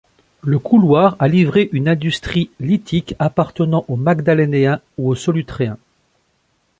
Le couloir a livré une industrie lithique appartenant au Magdalénien ou au Solutréen.